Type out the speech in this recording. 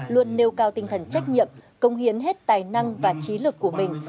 luôn nêu cao tinh thần trách nhiệm công hiến hết tài năng và trí lực của mình